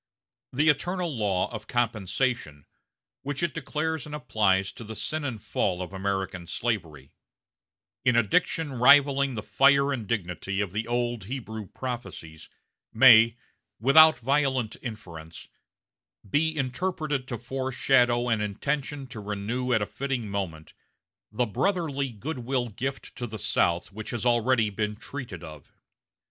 The eternal law of compensation, which it declares and applies to the sin and fall of American slavery, in a diction rivaling the fire and dignity of the old Hebrew prophecies, may, without violent inference, be interpreted to foreshadow an intention to renew at a fitting moment the brotherly goodwill gift to the South which has already been treated of.